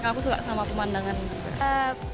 aku suka sama pemandangan dekat